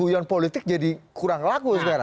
termasuk guyon politik jadi kurang laku sebenarnya